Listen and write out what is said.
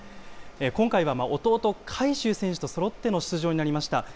今回は弟、海祝選手とそろっての出場になりました。